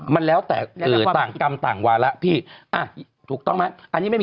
มันแล้วแต่ต่างกรรมต่างวาระพี่อ่ะถูกต้องไหมอันนี้ไม่มี